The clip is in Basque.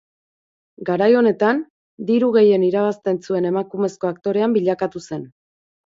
Garai honetan diru gehien irabazten zuen emakumezko aktorean bilakatu zen.